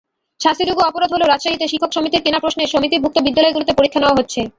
শাস্তিযোগ্য অপরাধ হলেও রাজশাহীতে শিক্ষক সমিতির কেনা প্রশ্নেই সমিতিভুক্ত বিদ্যালয়গুলোতে পরীক্ষা নেওয়া হচ্ছে।